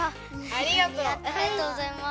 ありがとうございます。